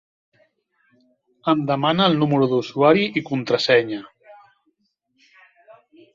Em demana el número d'usuari i contrasenya.